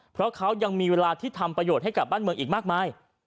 เพราะเขายังมีเวลาที่ทำประโยชน์ให้กับบ้านเมืองอีกมากมาย